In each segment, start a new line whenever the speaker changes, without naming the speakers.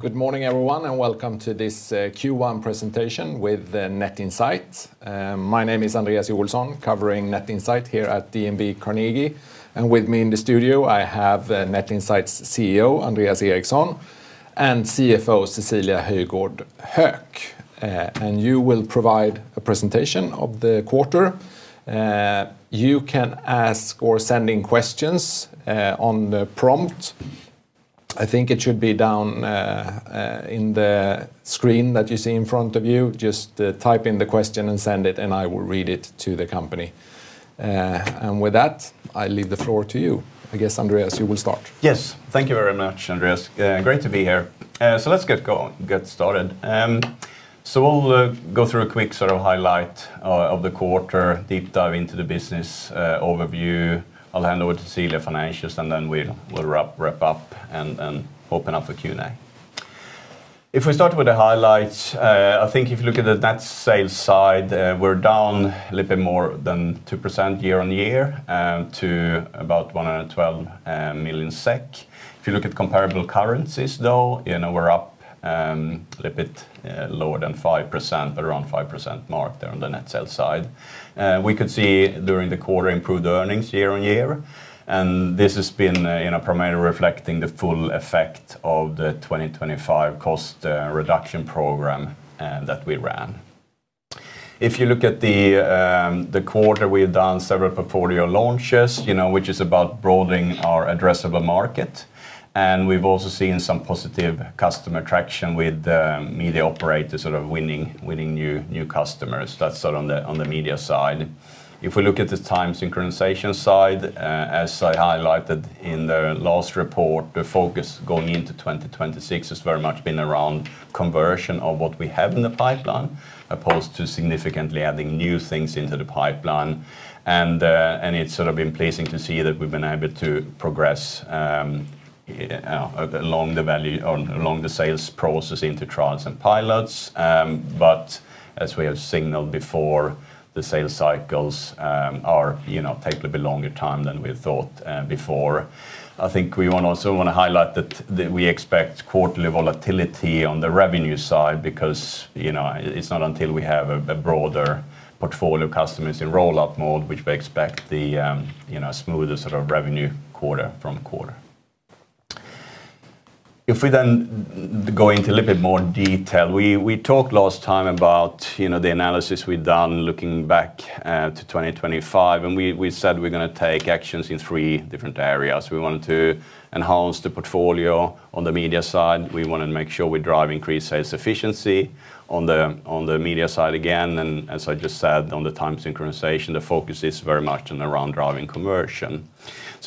Good morning, everyone, and welcome to this Q1 presentation with the Net Insight. My name is Andreas Joelsson, covering Net Insight here at DNB Carnegie. With me in the studio, I have Net Insight's CEO, Andreas Eriksson, and CFO, Cecilia Höjgård Höök. You will provide a presentation of the quarter. You can ask or send in questions on the prompt. I think it should be down in the screen that you see in front of you. Just type in the question and send it, and I will read it to the company. With that, I leave the floor to you. I guess, Andreas, you will start.
Yes. Thank you very much, Andreas. Great to be here. Let's get started. We'll go through a quick sort of highlight of the quarter, deep dive into the business overview. I'll hand over to Cecilia financials, then we'll wrap up and open up for Q&A. If we start with the highlights, I think if you look at the net sales side, we're down a little bit more than 2% year-on-year to about 112 million SEK. If you look at comparable currencies, though, you know, we're up a little bit lower than 5%, around 5% mark there on the net sales side. We could see during the quarter improved earnings year-on-year. This has been, you know, primarily reflecting the full effect of the 2025 cost reduction program that we ran. If you look at the quarter, we've done several portfolio launches, you know, which is about broadening our addressable market. We've also seen some positive customer traction with media operators sort of winning new customers. That's sort of on the media side. If we look at the time synchronization side, as I highlighted in the last report, the focus going into 2026 has very much been around conversion of what we have in the pipeline, opposed to significantly adding new things into the pipeline. It's sort of been pleasing to see that we've been able to progress along the sales process into trials and pilots. As we have signaled before, the sales cycles, you know, take a bit longer time than we thought before. I think we wanna also highlight that we expect quarterly volatility on the revenue side because, you know, it's not until we have a broader portfolio of customers in roll-up mode, which we expect the, you know, smoother sort of revenue quarter from quarter. We talked last time about, you know, the analysis we've done looking back to 2025, and we said we're gonna take actions in three different areas. We wanted to enhance the portfolio on the media side. We wanna make sure we drive increased sales efficiency on the, on the media side again. As I just said, on the time synchronization, the focus is very much in around driving conversion.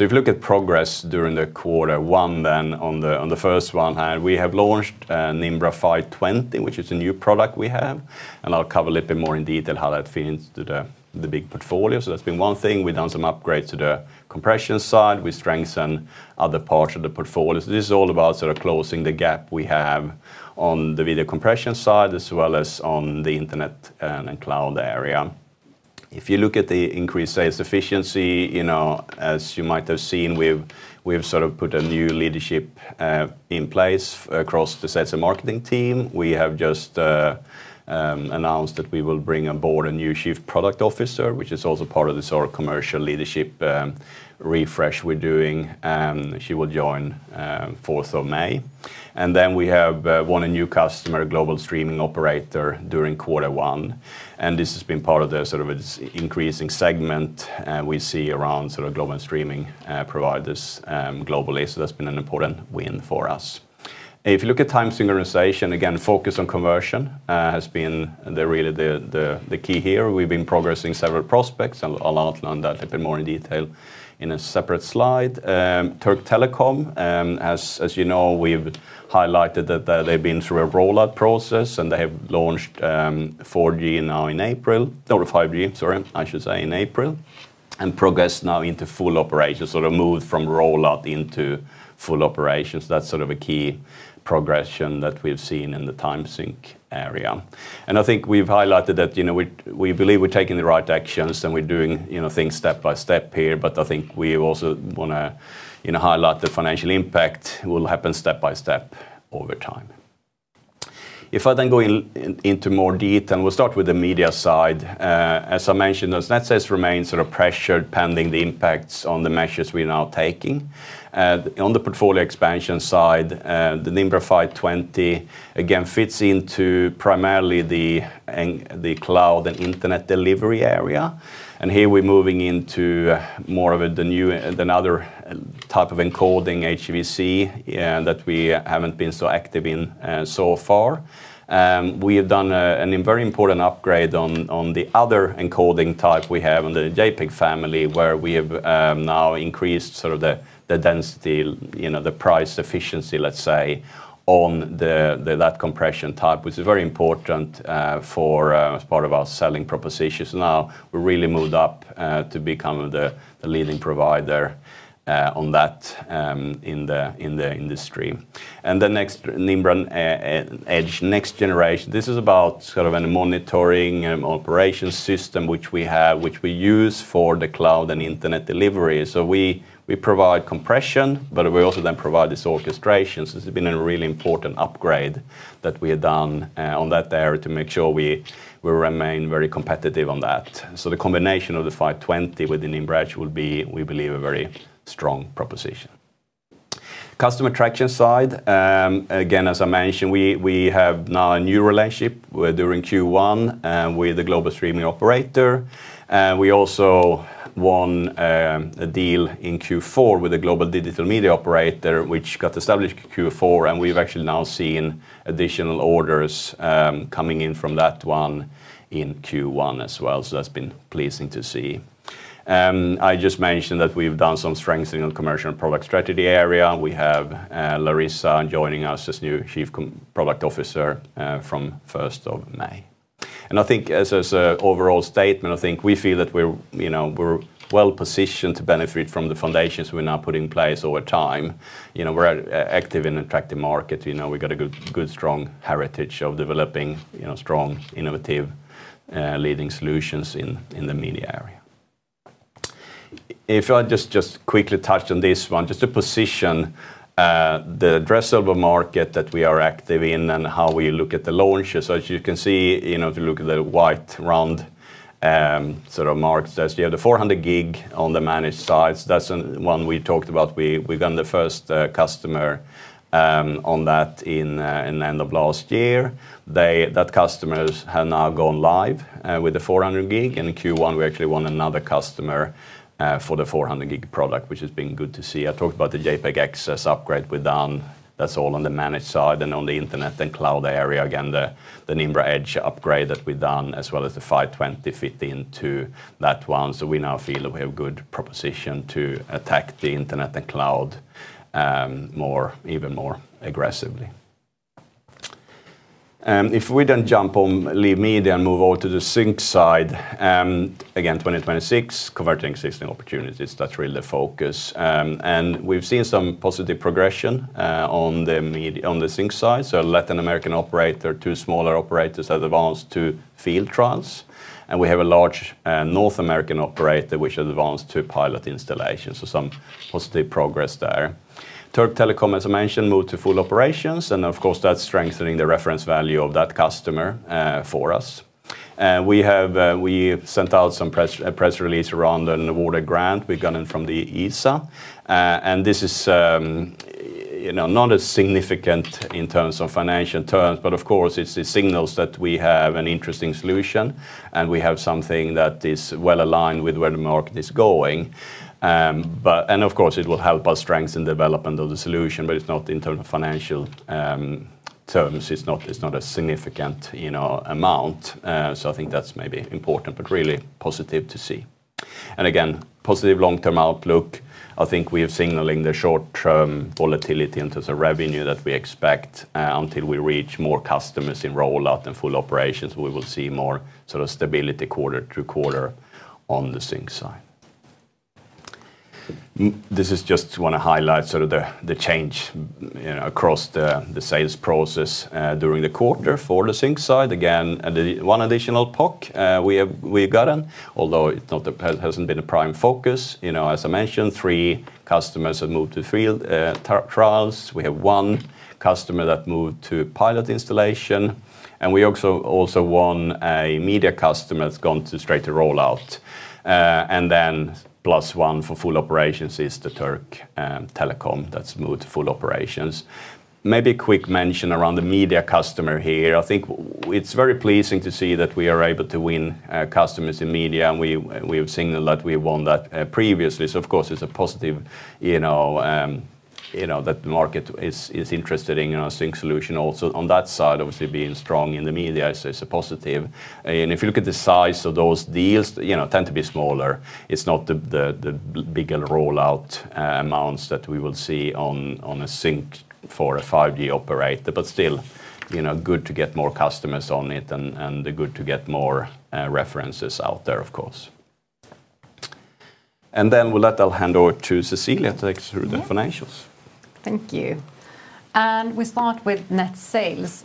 If you look at progress during the quarter one, then on the, on the first one, we have launched Nimbra 520, which is a new product we have, and I'll cover a little bit more in detail how that feeds into the big portfolio. That's been one thing. We've done some upgrades to the compression side. We strengthen other parts of the portfolio. This is all about sort of closing the gap we have on the video compression side, as well as on the internet and cloud area. If you look at the increased sales efficiency, you know, as you might have seen, we've sort of put a new leadership in place across the sales and marketing team. We have just announced that we will bring on board a new Chief Product Officer, which is also part of the sort of commercial leadership refresh we're doing. She will join 4th of May. We have won a new customer, global streaming operator, during quarter one. This has been part of the sort of its increasing segment we see around sort of global streaming providers globally. That's been an important win for us. If you look at time synchronization, again, focus on conversion has been really the key here. We've been progressing several prospects. I'll outline that a bit more in detail in a separate slide. Türk Telekom, as you know, we've highlighted that they've been through a rollout process, and they have launched 4G now in April, or 5G, sorry, I should say, in April, and progress now into full operations. Sort of moved from rollout into full operations. That's sort of a key progression that we've seen in the time sync area. I think we've highlighted that, you know, we believe we're taking the right actions, and we're doing, you know, things step by step here. I think we also wanna, you know, highlight the financial impact will happen step by step over time. If I then go into more detail, we'll start with the media side. As I mentioned, those net sales remain sort of pressured pending the impacts on the measures we're now taking. On the portfolio expansion side, the Nimbra 520 again fits into primarily the cloud and internet delivery area. Here we're moving into more of it another type of encoding, HEVC, that we haven't been so active in so far. We have done a very important upgrade on the other encoding type we have on the JPEG family, where we have now increased sort of the density, you know, the price efficiency, let's say, on that compression type, which is very important for as part of our selling propositions. Now we really moved up to become the leading provider on that in the industry. The next Nimbra Edge, next generation, this is about sort of a monitoring operations system which we have, which we use for the cloud and internet delivery. We provide compression, but we also then provide this orchestration. This has been a really important upgrade that we have done on that area to make sure we remain very competitive on that. The combination of the Nimbra 520 with the Nimbra Edge will be, we believe, a very strong proposition. Customer traction side, again, as I mentioned, we have now a new relationship with during Q1 with a global streaming operator. We also won a deal in Q4 with a global digital media operator which got established Q4, and we've actually now seen additional orders coming in from that one in Q1 as well. That's been pleasing to see. I just mentioned that we've done some strengthening on commercial and product strategy area. We have Larissa joining us as new Chief Product Officer from 1st of May. I think as a overall statement, I think we feel that we're, you know, we're well positioned to benefit from the foundations we've now put in place over time. You know, we're active in attractive markets. You know, we've got a good strong heritage of developing, you know, strong, innovative, leading solutions in the media area. If I just quickly touch on this one, just to position the addressable market that we are active in and how we look at the launches. As you can see, you know, if you look at the white round, sort of marked as you have the 400G on the managed side. That's one we talked about. We've done the first customer on that in end of last year. That customers have now gone live with the 400G. In Q1, we actually won another customer for the 400G product, which has been good to see. I talked about the JPEG XS upgrade we've done. That's all on the managed side and on the internet and cloud area. The Nimbra Edge upgrade that we've done as well as the Nimbra 520 fit into that one. We now feel that we have good proposition to attack the internet and cloud, more, even more aggressively. If we jump on leave media and move over to the Zyntai side, again, 2026 converting existing opportunities, that's really the focus. We've seen some positive progression on the Zyntai side. Latin American operator, two smaller operators have advanced to field trials, and we have a large North American operator which has advanced to pilot installation. Türk Telekom, as I mentioned, moved to full operations, of course, that's strengthening the reference value of that customer for us. We have, we've sent out some press release around an awarded grant we've gotten from the ESA. This is, you know, not as significant in terms of financial terms, but of course, it signals that we have an interesting solution and we have something that is well-aligned with where the market is going. Of course, it will help us strengthen development of the solution, but it's not in terms of financial terms. It's not a significant, you know, amount. I think that's maybe important, but really positive to see. Again, positive long-term outlook. I think we are signaling the short-term volatility in terms of revenue that we expect until we reach more customers in rollout and full operations. We will see more sort of stability quarter to quarter on the Zyntai side. This is just wanna highlight sort of the change, you know, across the sales process during the quarter for the Zyntai side. Again, one additional PoC we have gotten, although it hasn't been a prime focus. You know, as I mentioned, three customers have moved to field trials. We have one customer that moved to pilot installation, we also won a media customer that's gone to straight to rollout. Plus one for full operations is the Türk Telekom that's moved to full operations. Maybe a quick mention around the media customer here. I think it's very pleasing to see that we are able to win customers in media, we have signaled that we won that previously. Of course, it's a positive, you know, you know, that the market is interested in our Zyntai solution also. On that side, obviously being strong in the media is a positive. If you look at the size of those deals, you know, tend to be smaller. It's not the bigger rollout amounts that we will see on a Zyntai for a 5G operator. Still, you know, good to get more customers on it and good to get more references out there, of course. With that, I'll hand over to Cecilia to take us through the financials.
Yeah. Thank you. We start with net sales.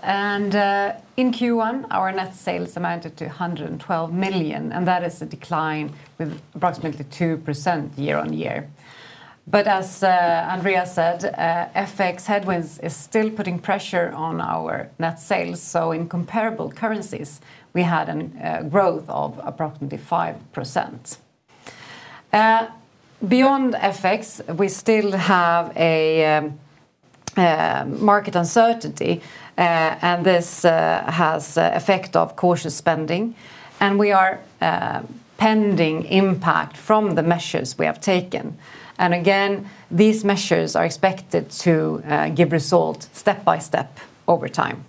In Q1, our net sales amounted to 112 million. That is a decline with approximately 2% year-on-year. As Andreas Eriksson said, FX headwinds is still putting pressure on our net sales. In comparable currencies, we had a growth of approximately 5%. Beyond FX, we still have market uncertainty. This has an effect of cautious spending. We are pending impact from the measures we have taken. Again, these measures are expected to give results step by step over time.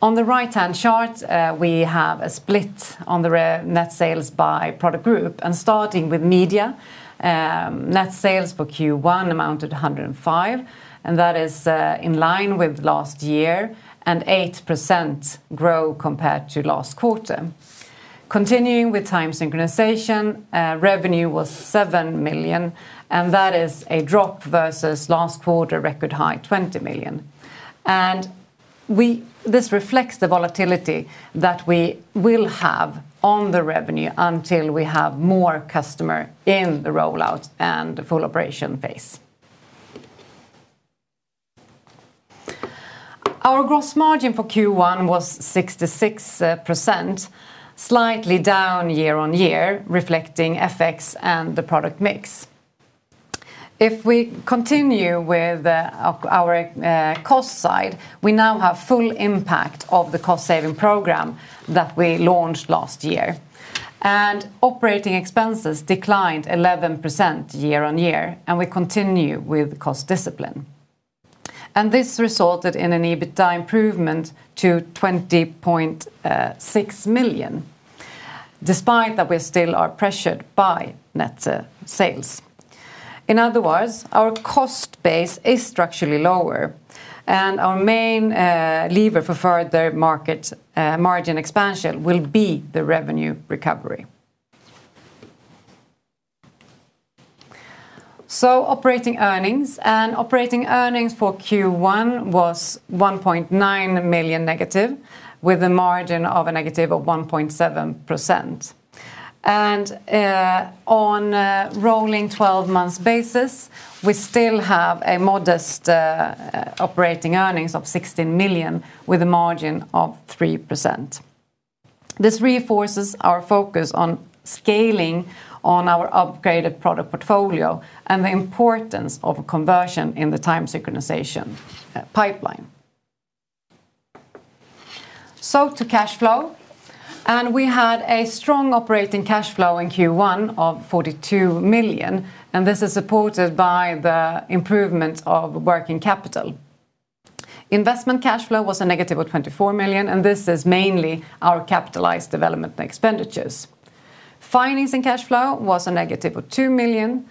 On the right-hand chart, we have a split on net sales by product group. Starting with media, net sales for Q1 amounted 105, and that is in line with last year and 8% growth compared to last quarter. Continuing with time synchronization, revenue was 7 million, and that is a drop versus last quarter record high, 20 million. This reflects the volatility that we will have on the revenue until we have more customer in the rollout and the full operation phase. Our gross margin for Q1 was 66%, slightly down year on year, reflecting FX and the product mix. If we continue with our cost side, we now have full impact of the cost-saving program that we launched last year. Operating expenses declined 11% year on year. We continue with cost discipline. This resulted in an EBITA improvement to 20.6 million, despite that we still are pressured by net sales. In other words, our cost base is structurally lower, and our main lever for further market margin expansion will be the revenue recovery. Operating earnings. Operating earnings for Q1 was 1.9 million negative, with a margin of a negative of 1.7%. On a rolling 12-month basis, we still have a modest operating earnings of 16 million, with a margin of 3%. This reinforces our focus on scaling on our upgraded product portfolio and the importance of conversion in the time synchronization pipeline. To cash flow. We had a strong operating cash flow in Q1 of 42 million, and this is supported by the improvement of working capital. Investment cash flow was a negative of 24 million, and this is mainly our capitalized development expenditures. Financing cash flow was a negative of 2 million.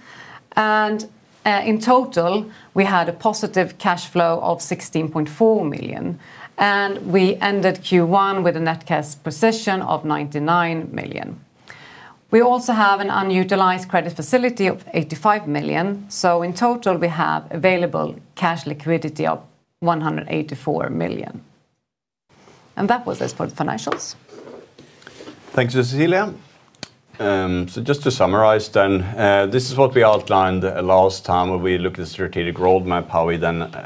In total, we had a positive cash flow of 16.4 million, and we ended Q1 with a net cash position of 99 million. We also have an unutilized credit facility of 85 million, so in total, we have available cash liquidity of 184 million. That was this for the financials.
Thank you, Cecilia. Just to summarize, this is what we outlined last time when we looked at strategic roadmap, how we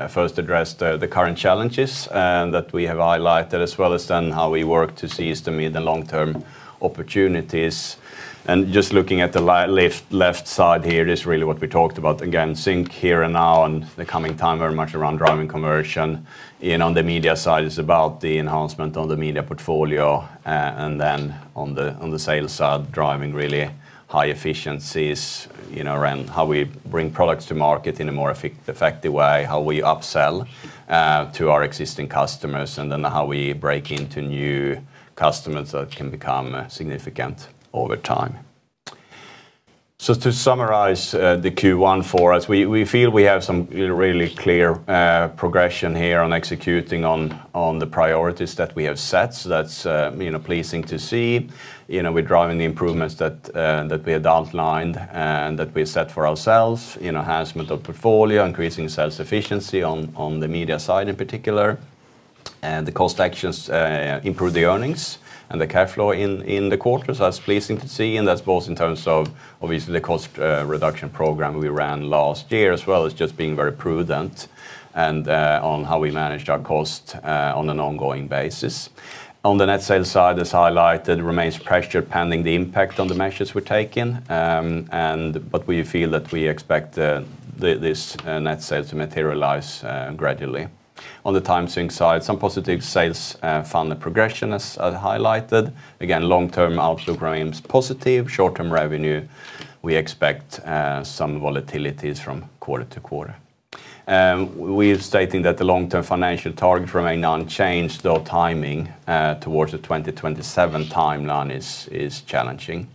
first addressed the current challenges that we have highlighted as well as how we work to seize the mid- and long-term opportunities. Just looking at the left side here, this is really what we talked about. Again, Zyntai here and now and the coming time very much around driving conversion. On the media side is about the enhancement on the media portfolio. On the sales side, driving really high efficiencies, you know, around how we bring products to market in a more effective way, how we upsell to our existing customers, how we break into new customers that can become significant over time. To summarize, the Q1 for us, we feel we have some, you know, really clear progression here on executing on the priorities that we have set. That's, you know, pleasing to see. You know, we're driving the improvements that we had outlined and that we set for ourselves. You know, enhancement of portfolio, increasing sales efficiency on the media side in particular, the cost actions improve the earnings and the cash flow in the quarter. That's pleasing to see, and that's both in terms of obviously the cost reduction program we ran last year, as well as just being very prudent and on how we managed our cost on an ongoing basis. On the Net sales side, as highlighted, remains pressured pending the impact on the measures we're taking. We feel that we expect this net sales to materialize gradually. On the Zyntai side, some positive sales funnel progression as highlighted. Again, long-term outlook remains positive. Short-term revenue, we expect some volatilities from quarter to quarter. We are stating that the long-term financial target remain unchanged, though timing towards the 2027 timeline is challenging.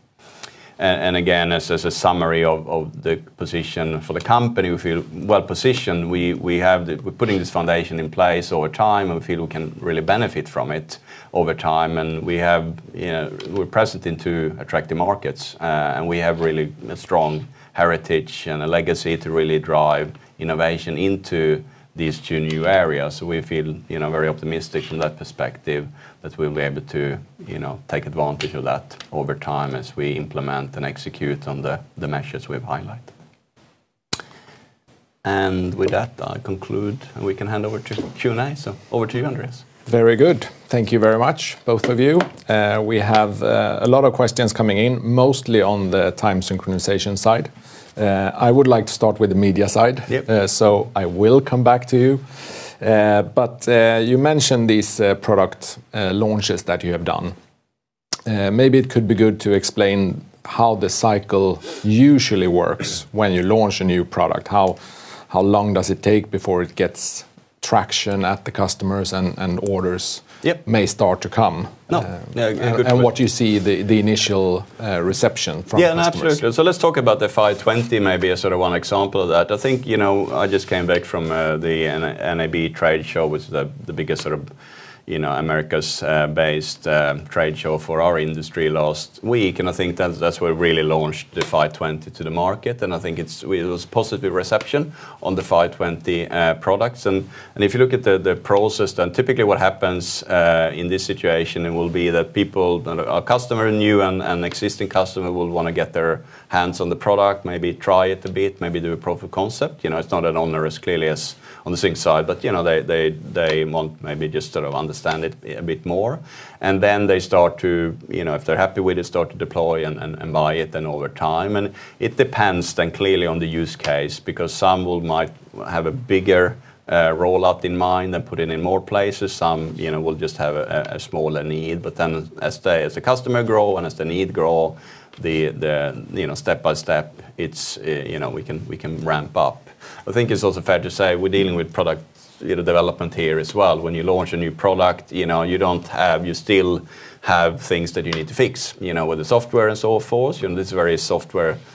Again, as a summary of the position for the company, we feel well-positioned. We have we're putting this foundation in place over time. We feel we can really benefit from it over time. We have, you know, we're present into attractive markets. We have really a strong heritage and a legacy to really drive innovation into these two new areas. We feel, you know, very optimistic from that perspective that we'll be able to, you know, take advantage of that over time as we implement and execute on the measures we have highlighted. With that, I conclude, and we can hand over to Q&A. Over to you, Andreas.
Very good. Thank you very much, both of you. We have a lot of questions coming in, mostly on the time synchronization side. I would like to start with the media side.
Yep.
I will come back to you. You mentioned these product launches that you have done. Maybe it could be good to explain how the cycle usually works when you launch a new product. How long does it take before it gets traction at the customers and orders?
Yep
May start to come?
No. Yeah, a good question.
What you see the initial reception from customers.
Yeah, no, absolutely. Let's talk about the 520, maybe as sort of one example of that. I think, you know, I just came back from the NAB trade show, which is the biggest sort of, you know, Americas based trade show for our industry last week, and I think that's where we really launched the 520 to the market. I think it was positive reception on the 520 products. If you look at the process, typically what happens in this situation, it will be that people that are customer, new and existing customer will wanna get their hands on the product, maybe try it a bit, maybe do a proof of concept. You know, it's not as onerous clearly as on the sync side, you know, they want maybe just sort of understand it a bit more. Then they start to, you know, if they're happy with it, start to deploy and buy it then over time. It depends then clearly on the use case, because some might have a bigger rollout in mind and put it in more places. Some, you know, will just have a smaller need. Then as the customer grow and as the need grow, the, you know, step by step, it's, you know, we can ramp up. I think it's also fair to say we're dealing with product, you know, development here as well. When you launch a new product, you know, you don't have. You still have things that you need to fix, you know, with the software and so forth. You know, this is a very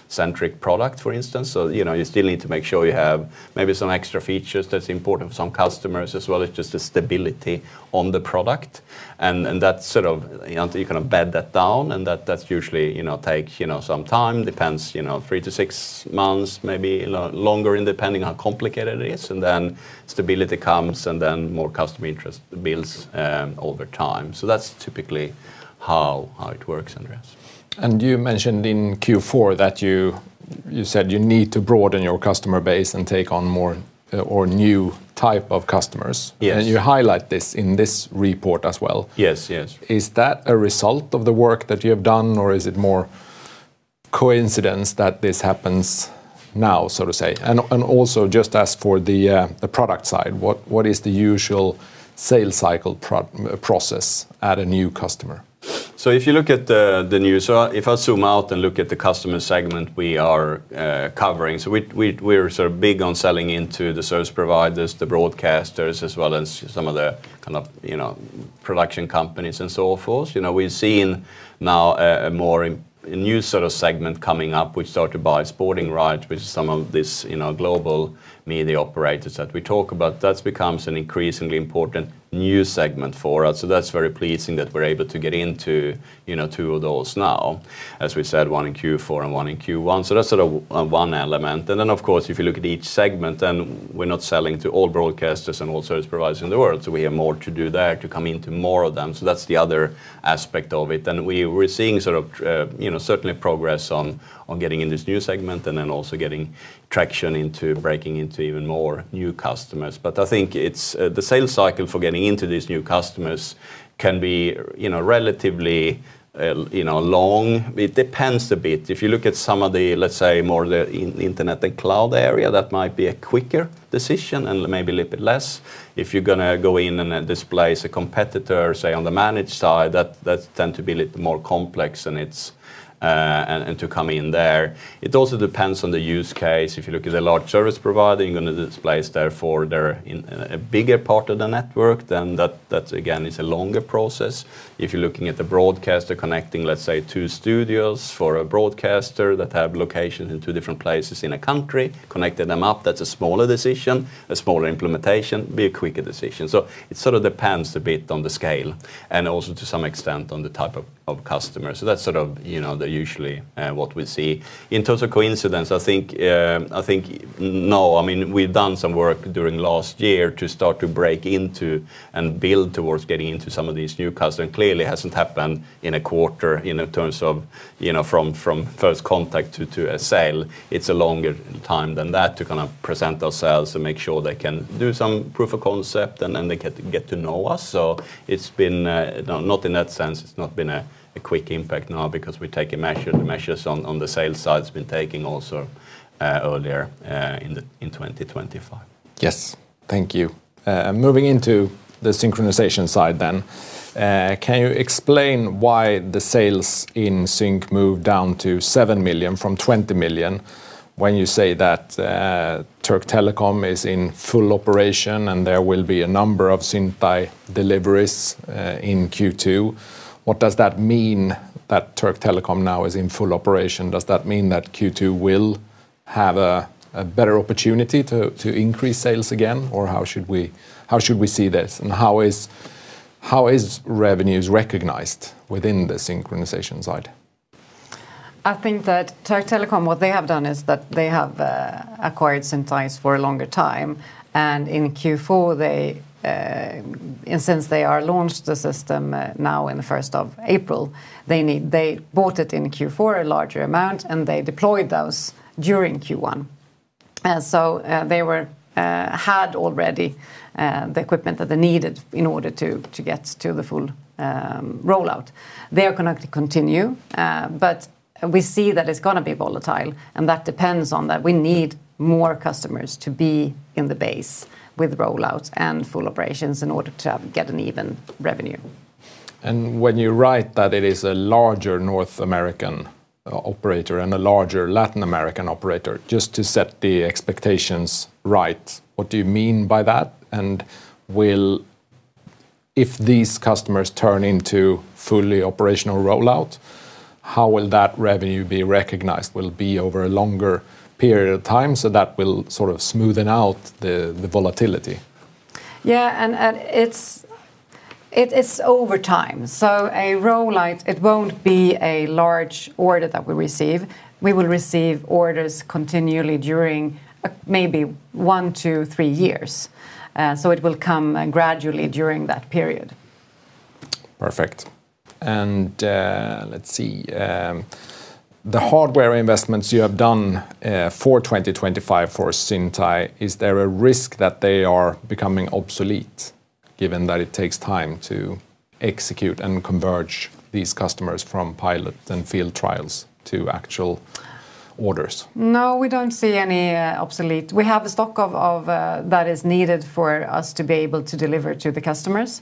software-centric product, for instance. you still need to make sure you have maybe some extra features that's important for some customers, as well as just the stability on the product and that sort of until you kind of bed that down, and that usually, you know, takes, you know, some time. Depends, you know, three to six months, maybe longer and depending how complicated it is. Then stability comes, and then more customer interest builds over time. That's typically how it works, Andreas.
You mentioned in Q4 that you said you need to broaden your customer base and take on more or new type of customers.
Yes.
You highlight this in this report as well.
Yes, yes.
Is that a result of the work that you have done, or is it more coincidence that this happens now, so to say? Also just as for the product side, what is the usual sales cycle process, add a new customer?
If I zoom out and look at the customer segment we are covering, we're sort of big on selling into the service providers, the broadcasters, as well as some of the kind of, you know, production companies and so forth. We've seen now a new sort of segment coming up, which started by sports rights with some of this, you know, global media operators that we talk about. That becomes an increasingly important new segment for us, so that's very pleasing that we're able to get into, you know, two of those now. As we said, one in Q4 and one in Q1, so that's sort of one element. Of course, if you look at each segment, then we're not selling to all broadcasters and all service providers in the world, so we have more to do there to come into more of them. That's the other aspect of it. We're seeing sort of, you know, certainly progress on getting in this new segment and then also getting traction into breaking into even more new customers. I think it's, the sales cycle for getting into these new customers can be, you know, relatively, you know, long. It depends a bit. If you look at some of the, let's say, more the internet and cloud area, that might be a quicker decision and maybe a little bit less. If you're going to go in and displace a competitor, say, on the managed side, that tend to be a little more complex and to come in there. It also depends on the use case. If you look at a large service provider, you're going to displace their in a bigger part of the network, that again is a longer process. If you're looking at the broadcaster connecting, let's say, two studios for a broadcaster that have location in two different places in a country, connecting them up, that's a smaller decision, a smaller implementation, be a quicker decision. It sort of depends a bit on the scale and also to some extent on the type of customer. That's sort of, you know, the usually what we see. In terms of coincidence, I think, I think no. I mean, we've done some work during last year to start to break into and build towards getting into some of these new customer, and clearly hasn't happened in a quarter in terms of, you know, from first contact to a sale. It's a longer time than that to kind of present ourselves and make sure they can do some proof of concept and then they get to know us. It's been no, not in that sense, it's not been a quick impact, no, because we're taking measure. The measures on the sales side's been taking also earlier, in the, in 2025.
Yes. Thank you. Moving into the synchronization side, can you explain why the sales in sync moved down to 7 million from 20 million when you say that Türk Telekom is in full operation and there will be a number of Zyntai deliveries in Q2? What does that mean that Türk Telekom now is in full operation? Does that mean that Q2 will have a better opportunity to increase sales again, or how should we see this? How is revenues recognized within the synchronization side?
I think that Türk Telekom, what they have done is that they have acquired Zyntai for a longer time, and in Q4 they, and since they are launched the system now in the 1st of April, they bought it in Q4 a larger amount, and they deployed those during Q1. They had already the equipment that they needed in order to get to the full rollout. They are gonna continue, but we see that it's gonna be volatile, and that depends on that we need more customers to be in the base with rollouts and full operations in order to get an even revenue.
When you write that it is a larger North American operator and a larger Latin American operator, just to set the expectations right, what do you mean by that? If these customers turn into fully operational rollout, how will that revenue be recognized? Will it be over a longer period of time, so that will sort of smoothen out the volatility?
Yeah, and it's, it is over time. A rollout, it won't be a large order that we receive. We will receive orders continually during a maybe one to three years. It will come gradually during that period.
Perfect. Let's see. The hardware investments you have done for 2025 for Zyntai, is there a risk that they are becoming obsolete given that it takes time to execute and converge these customers from pilot and field trials to actual orders?
No, we don't see any obsolete. We have a stock of that is needed for us to be able to deliver to the customers.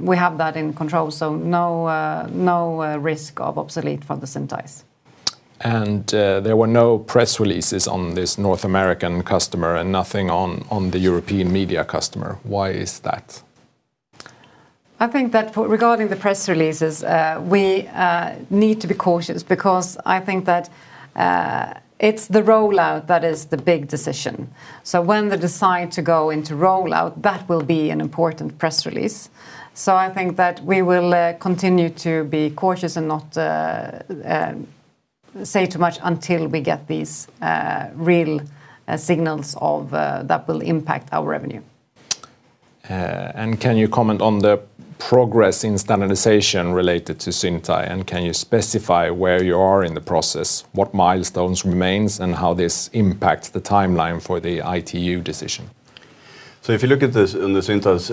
We have that in control, so no risk of obsolete for the Zyntai.
There were no press releases on this North American customer and nothing on the European media customer. Why is that?
I think that for regarding the press releases, we need to be cautious because I think that it's the rollout that is the big decision. When they decide to go into rollout, that will be an important press release. I think that we will continue to be cautious and not say too much until we get these real signals of that will impact our revenue.
Can you comment on the progress in standardization related to Zyntai and can you specify where you are in the process? What milestones remains, and how this impacts the timeline for the ITU decision?
If you look at the Zyntai's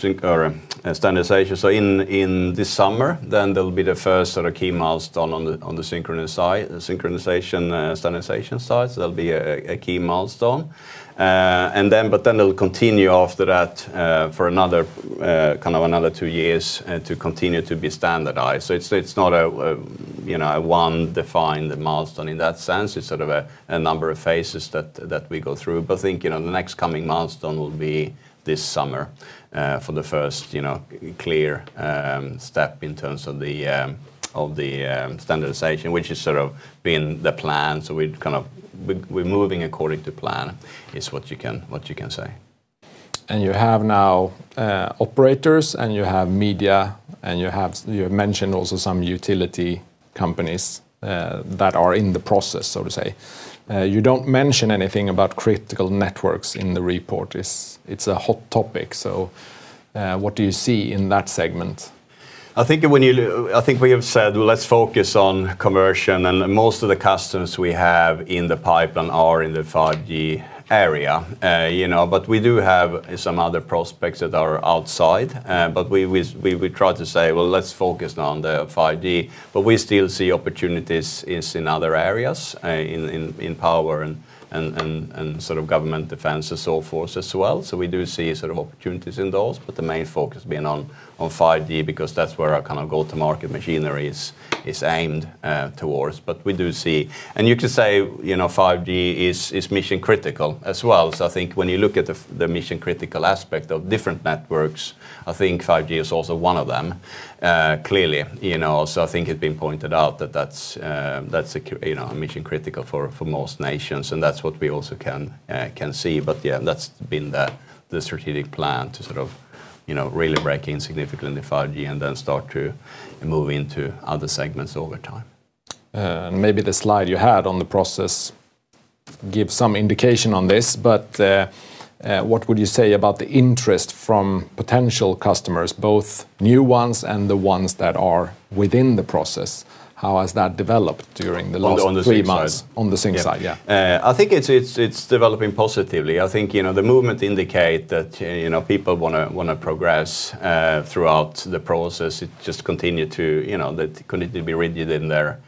sync or standardization. In this summer, there'll be the first sort of key milestone on the, on the synchronous side, synchronization, standardization side. There'll be a key milestone. They'll continue after that for another kind of another two years to continue to be standardized. It's, it's not a, you know, a one defined milestone in that sense. It's sort of a number of phases that we go through. Think, you know, the next coming milestone will be this summer for the first, you know, clear step in terms of the of the standardization, which has sort of been the plan. We're moving according to plan is what you can say.
You have now operators, and you have media, and you have, you mentioned also some utility companies that are in the process, so to say. You don't mention anything about critical networks in the report. It's a hot topic, so what do you see in that segment?
I think that when you I think we have said, let's focus on conversion, and most of the customers we have in the pipeline are in the 5G area. You know, we do have some other prospects that are outside. We try to say, well, let's focus on the 5G. We still see opportunities in other areas, in power and sort of government defense and so forth as well. We do see sort of opportunities in those, but the main focus being on 5G because that's where our kind of go-to-market machinery is aimed towards. We do see. You know, 5G is mission-critical as well. I think when you look at the the mission-critical aspect of different networks, I think 5G is also one of them, clearly. You know, I think it's been pointed out that that's, you know, a mission critical for most nations, and that's what we also can see. Yeah, that's been the strategic plan to sort of, you know, really break in significantly in 5G and then start to move into other segments over time.
Maybe the slide you had on the process give some indication on this. What would you say about the interest from potential customers, both new ones and the ones that are within the process? How has that developed during the last three months?
On the Zyntai side?
On the Zyntai side, yeah.
Yeah. I think it's developing positively. I think, you know, the movement indicate that, you know, people wanna progress throughout the process. You know, they continue to be rigid in their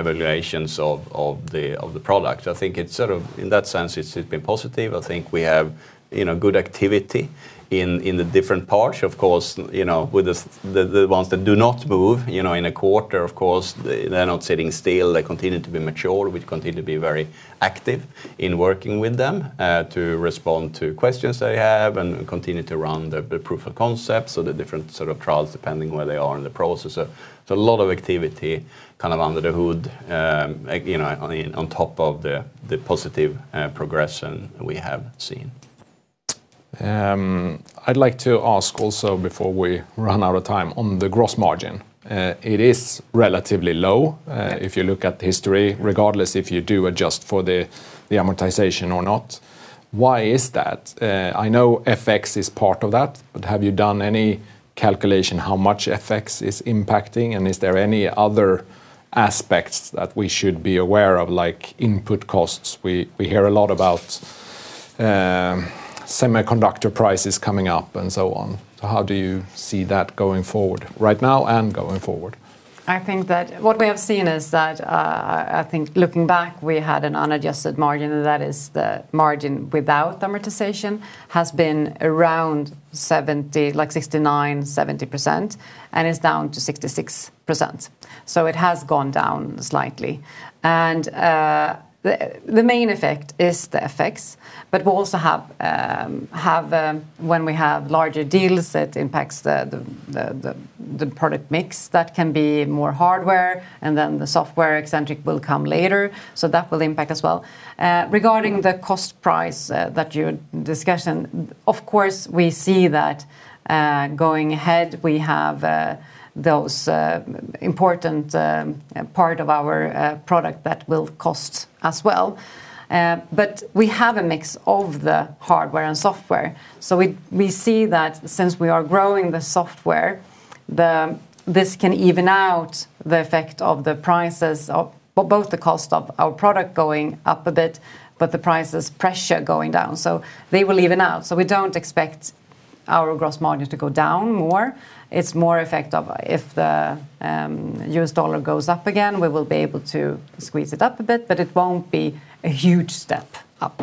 evaluations of the product. I think it's sort of, in that sense, it's been positive. I think we have, you know, good activity in the different parts. Of course, you know, with the ones that do not move, you know, in a quarter, of course, they're not sitting still. They continue to be mature. We continue to be very active in working with them to respond to questions they have and continue to run the proof of concepts or the different sort of trials depending where they are in the process. A lot of activity kind of under the hood, you know, I mean, on top of the positive, progression we have seen.
I'd like to ask also before we run out of time on the gross margin. It is relatively low, if you look at history, regardless if you do adjust for the amortization or not. Why is that? I know FX is part of that, but have you done any calculation how much FX is impacting, and is there any other aspects that we should be aware of, like input costs? We hear a lot about semiconductor prices coming up and so on. How do you see that going forward, right now and going forward?
I think that what we have seen is that, I think looking back, we had an unadjusted margin, and that is the margin without amortization, has been around 70%, like 69%, 70%, and it's down to 66%. It has gone down slightly. The main effect is the FX. We also have, when we have larger deals, it impacts the product mix. That can be more hardware, and then the software-centric will come later, so that will impact as well. Regarding the cost price that you discussed, of course, we see that going ahead, we have those important parts of our product that will cost as well. We have a mix of the hardware and software. We see that since we are growing the software, this can even out the effect of the prices of both the cost of our product going up a bit, but the prices pressure going down. They will even out. We don't expect our gross margin to go down more. It's more effect of if the US dollar goes up again, we will be able to squeeze it up a bit, but it won't be a huge step up.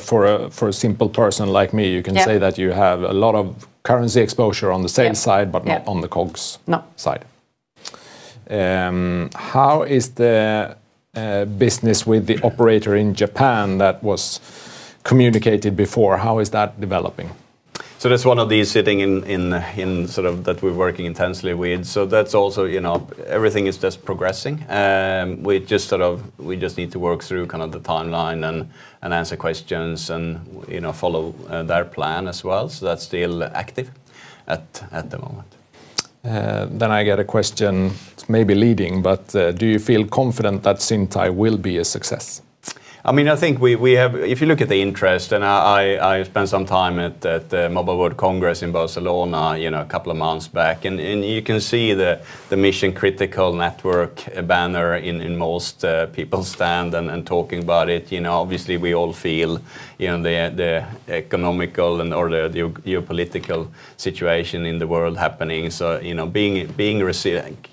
For a simple person like me.
Yeah
You can say that you have a lot of currency exposure on the sales side.
Yeah, yeah.
but not on the COGS.
No...
side. How is the business with the operator in Japan that was communicated before? How is that developing?
That's one of these sitting in, in sort of that we're working intensely with, so that's also, you know, everything is just progressing. We just sort of, we just need to work through kind of the timeline and answer questions and, you know, follow their plan as well. That's still active at the moment.
I got a question. It may be leading, but do you feel confident that Zyntai will be a success?
I mean, I think we have. If you look at the interest, I spent some time at Mobile World Congress in Barcelona, you know, a couple of months back, and you can see the mission critical network banner in most people's stand and talking about it. You know, obviously we all feel, you know, the economical and/or the geopolitical situation in the world happening. You know, being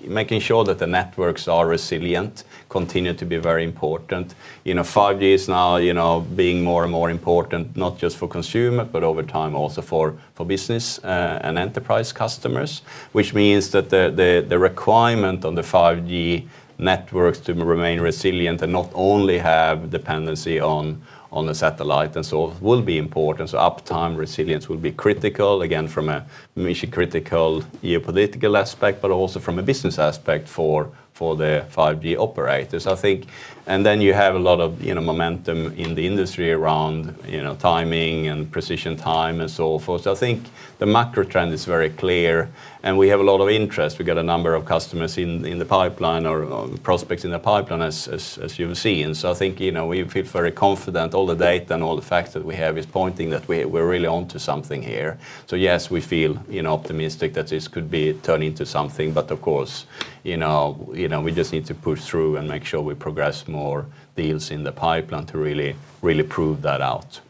making sure that the networks are resilient continue to be very important. You know, 5G is now, you know, being more and more important, not just for consumer, but over time also for business and enterprise customers, which means that the requirement on the 5G networks to remain resilient and not only have dependency on the satellite and so will be important. Uptime resilience will be critical, again, from a mission critical geopolitical aspect, but also from a business aspect for the 5G operators, I think. You have a lot of, you know, momentum in the industry around, you know, timing and precision time and so forth. I think the macro trend is very clear. We have a lot of interest. We've got a number of customers in the pipeline or prospects in the pipeline as you've seen. I think, you know, we feel very confident. All the data and all the facts that we have is pointing that we're really onto something here. Yes, we feel, you know, optimistic that this could be turn into something. Of course, you know, you know, we just need to push through and make sure we progress more deals in the pipeline to really prove that out.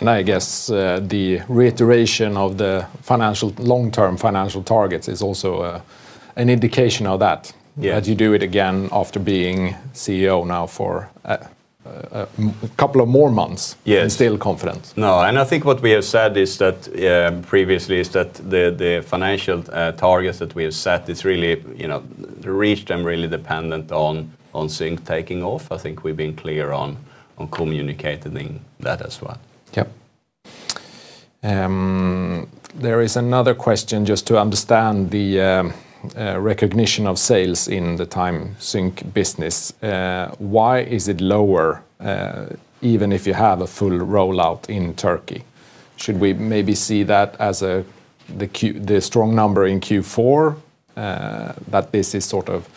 I guess, the reiteration of the financial, long-term financial targets is also, an indication of that.
Yeah.
That you do it again after being CEO now for a couple of more months.
Yes
and still confident.
No, I think what we have said is that previously is that the financial targets that we have set, it's really, you know, to reach them really dependent on Zyntai taking off. I think we've been clear on communicating that as well.
Yeah. There is another question just to understand the recognition of sales in the Time Sync business. Why is it lower, even if you have a full rollout in Turkey? Should we maybe see that as the strong number in Q4, that this is sort of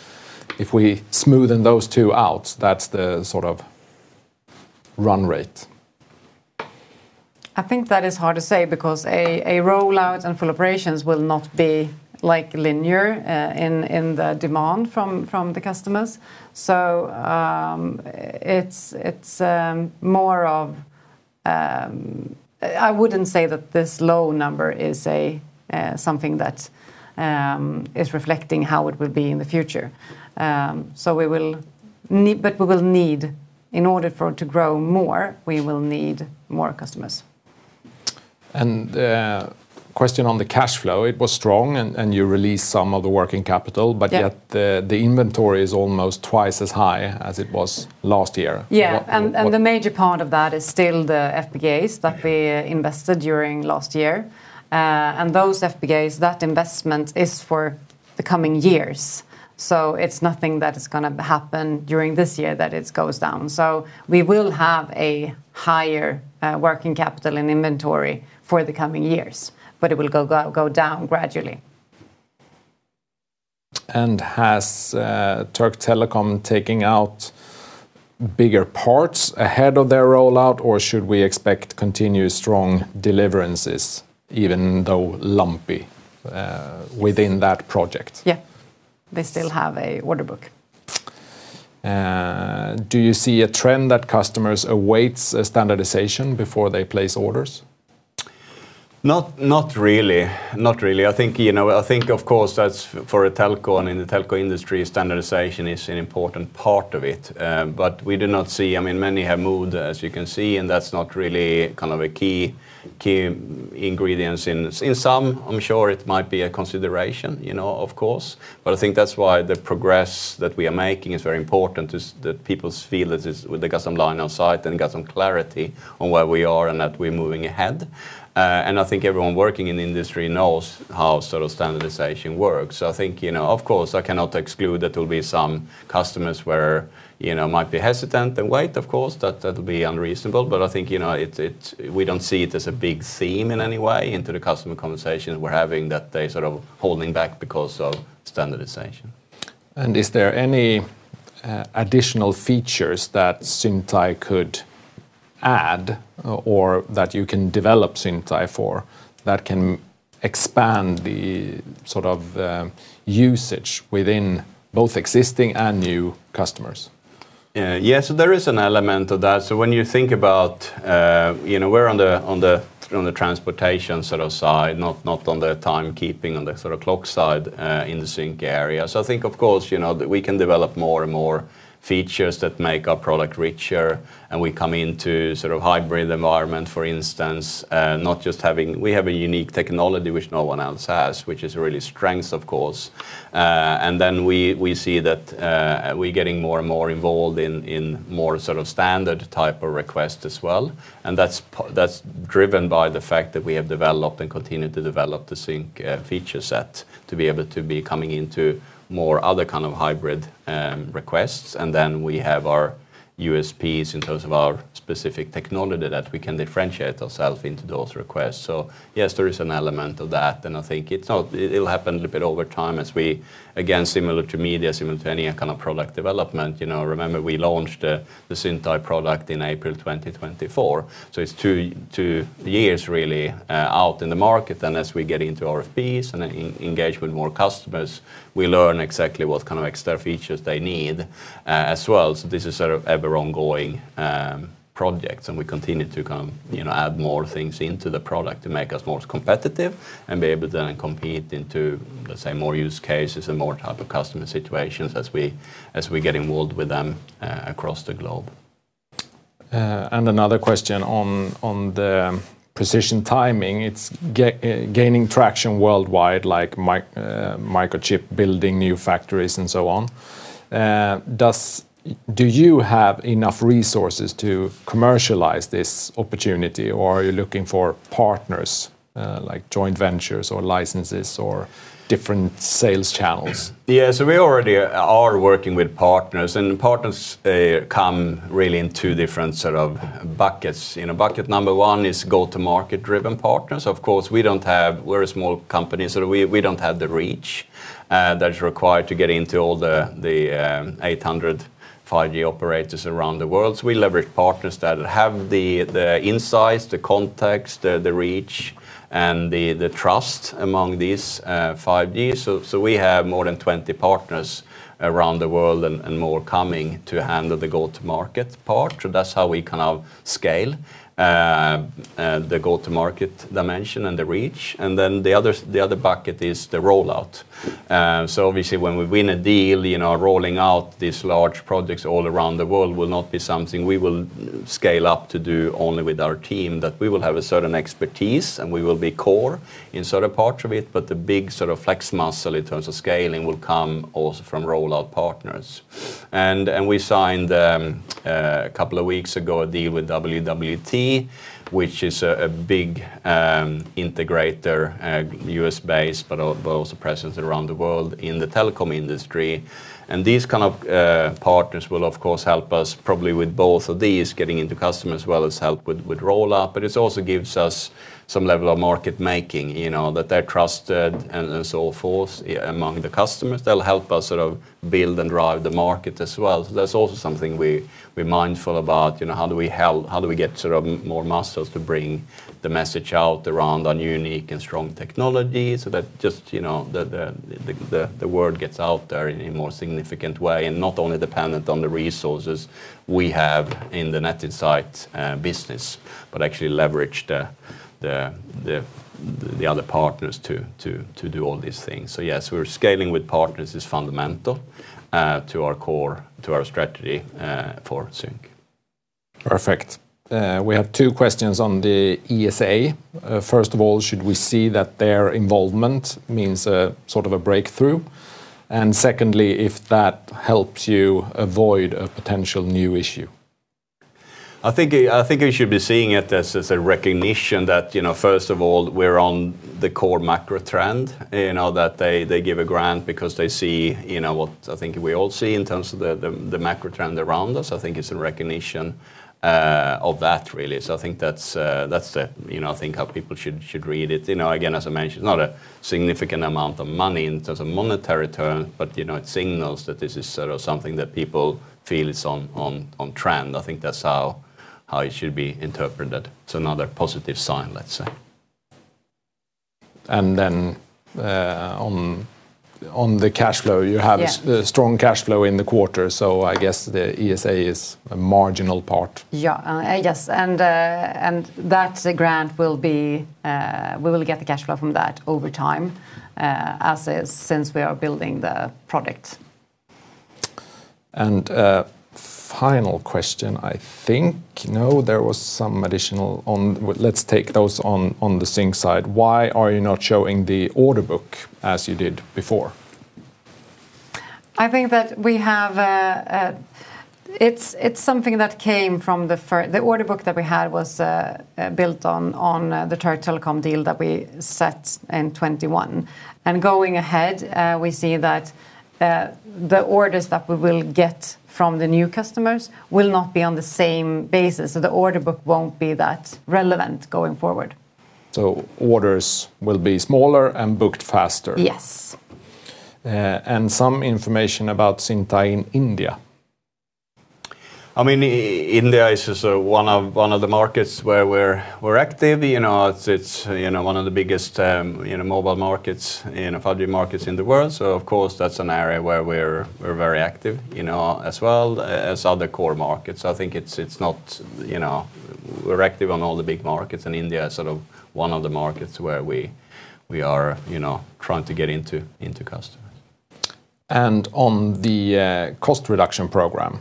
if we smoothen those two out, that's the sort of run rate?
I think that is hard to say because a rollout and full operations will not be, like, linear, in the demand from the customers. I wouldn't say that this low number is a something that is reflecting how it will be in the future. We will need, in order for it to grow more, we will need more customers.
Question on the cash flow? It was strong, and you released some of the working capital.
Yeah
Yet the inventory is almost twice as high as it was last year.
Yeah. The major part of that is still the FPGAs.
Mm-hmm...
invested during last year. Those FPGAs, that investment is for the coming years, so it's nothing that is gonna happen during this year that it goes down. We will have a higher working capital and inventory for the coming years, but it will go down gradually.
Has Türk Telekom taking out bigger parts ahead of their rollout, or should we expect continued strong deliverances even though lumpy within that project?
Yeah. They still have a order book.
Do you see a trend that customers awaits a standardization before they place orders?
Not really. Not really. I think, you know, I think of course that's for a telco and in the telco industry, standardization is an important part of it. But we do not see, I mean, many have moved, as you can see, and that's not really kind of a key ingredient in some. I'm sure it might be a consideration, you know, of course. But I think that's why the progress that we are making is very important, is that people's feel that is, they got some line of sight and got some clarity on where we are and that we're moving ahead. I think everyone working in the industry knows how sort of standardization works. I think, you know, of course I cannot exclude that there'll be some customers where, you know, might be hesitant and wait, of course. That would be unreasonable. I think, you know, it's we don't see it as a big theme in any way into the customer conversations we're having that they're sort of holding back because of standardization.
Is there any additional features that Zyntai could add or that you can develop Zyntai for that can expand the sort of usage within both existing and new customers?
Yes, there is an element of that. When you think about, you know, we're on the transportation sort of side, not on the timekeeping, on the sort of clock side, in the Sync area. I think of course, you know, we can develop more and more features that make our product richer, and we come into sort of hybrid environment, for instance. We have a unique technology which no one else has, which is a really strength, of course. We, we see that we're getting more and more involved in more sort of standard type of requests as well, that is driven by the fact that we have developed and continue to develop the Zyntai feature set to be able to be coming into more other kind of hybrid requests. We have our USPs in terms of our specific technology that we can differentiate ourselves into those requests. Yes, there is an element of that, and I think it is not. It will happen a bit over time as we, again, similar to media, similar to any kind of product development. You know, remember we launched the Zyntai product in April 2024, so it is two years really out in the market. As we get into RFPs and engage with more customers, we learn exactly what kind of extra features they need as well. This is sort of ever ongoing project, and we continue to, you know, add more things into the product to make us more competitive and be able then and compete into, let's say, more use cases and more type of customer situations as we get involved with them across the globe.
Another question on the precision timing. It's gaining traction worldwide, like Microchip building new factories and so on. Do you have enough resources to commercialize this opportunity, or are you looking for partners, like joint ventures or licenses or different sales channels?
Yeah, we already are working with partners, and partners come really in two different sort of buckets. You know, bucket number one is go-to-market driven partners. We're a small company, we don't have the reach that's required to get into all the 800 5G operators around the world. We leverage partners that have the insights, the context, the reach, and the trust among these 5G. We have more than 20 partners around the world and more coming to handle the go-to-market part. That's how we kind of scale the go-to-market dimension and the reach. The other bucket is the rollout. Obviously when we win a deal, you know, rolling out these large projects all around the world will not be something we will scale up to do only with our team, that we will have a certain expertise and we will be core in sort of part of it. The big sort of flex muscle in terms of scaling will come also from rollout partners. We signed a couple of weeks ago a deal with WWT, which is a big integrator, U.S.-based but also present around the world in the telecom industry. These kind of partners will of course help us probably with both of these, getting into customers, as well as help with rollout, but it also gives us some level of market making. You know, that they're trusted and as so forth, yeah, among the customers. They'll help us sort of build and drive the market as well. That's also something we're mindful about. You know, how do we get more muscles to bring the message out around unique and strong technology so that just, you know, the word gets out there in a more significant way and not only dependent on the resources we have in the Net Insight business, but actually leverage the other partners to do all these things. Yes, we're scaling with partners is fundamental to our core, to our strategy for Zyntai.
Perfect. We have two questions on the ESA. First of all, should we see that their involvement means a sort of a breakthrough? Secondly, if that helps you avoid a potential new issue?
I think we should be seeing it as a recognition that, you know, first of all, we're on the core macro trend, you know, that they give a grant because they see, you know, what I think we all see in terms of the macro trend around us. I think it's in recognition of that really. I think that's that's the, you know, I think how people should read it. You know, again, as I mentioned, not a significant amount of money in terms of monetary return, but, you know, it signals that this is sort of something that people feel is on trend. I think that's how it should be interpreted. It's another positive sign, let's say.
Then, on the cashflow.
Yeah
You have a strong cashflow in the quarter, I guess the ESA is a marginal part.
Yeah. Yes, that grant will be, we will get the cash flow from that over time, as is since we are building the product.
Final question, I think. No, there was some additional. Let's take those on the Zyntai side. Why are you not showing the order book as you did before?
It's something that came from the order book that we had was built on the Türk Telekom deal that we set in 2021. Going ahead, we see that the orders that we will get from the new customers will not be on the same basis, so the order book won't be that relevant going forward.
Orders will be smaller and booked faster?
Yes.
Some information about Zyntai in India.
I mean, India is one of the markets where we're active. You know, it's, you know, one of the biggest, you know, mobile markets in 5G markets in the world. Of course, that's an area where we're very active, you know, as well as other core markets. I think it's not, you know, we're active on all the big markets. India is sort of one of the markets where we are, you know, trying to get into customers.
On the cost reduction program,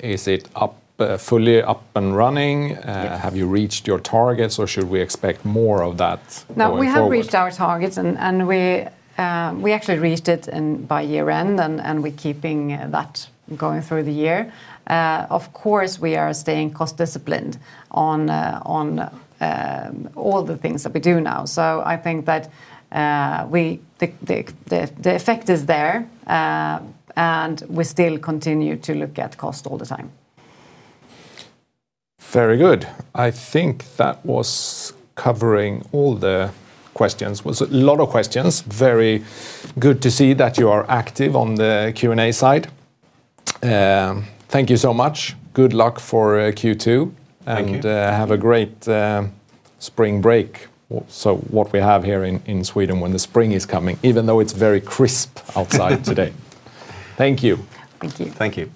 is it up fully up and running?
Yes.
Have you reached your targets, or should we expect more of that going forward?
We have reached our targets, and we actually reached it in, by year-end, and we're keeping that going through the year. Of course, we are staying cost disciplined on all the things that we do now. I think that the effect is there, and we still continue to look at cost all the time.
Very good. I think that was covering all the questions. Was a lot of questions. Very good to see that you are active on the Q&A side. Thank you so much. Good luck for Q2.
Thank you.
Have a great spring break. What we have here in Sweden when the spring is coming, even though it is very crisp outside today. Thank you.
Thank you.
Thank you.